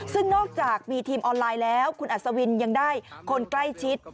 ซึ่งนอกจากมีทีมออนไลน์แล้วคุณอัศวินยังได้คนใกล้ชิด